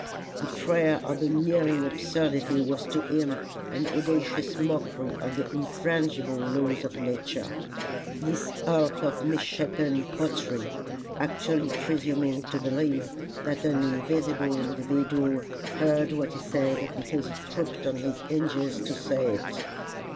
The prayer of the kneeling absurdity was to him an audacious mockery of the infrangible laws of Nature: this hulk of misshapen pottery actually presuming to believe that an invisible individual heard what he said because he crooked his hinges to say it!